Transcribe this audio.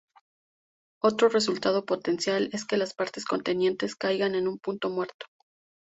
Otro resultado potencial es que las partes contendientes caigan en un punto muerto.